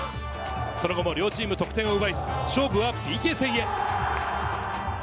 その後も両チーム得点を奪えず、勝負はＰＫ戦へ。